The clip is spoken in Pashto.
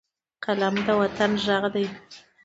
قلم د وطن غږ دی